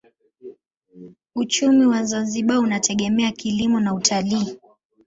Uchumi wa Zanzibar unategemea kilimo na utalii.